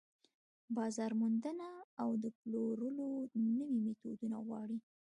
بازار موندنه او د پلورلو نوي ميتودونه غواړي.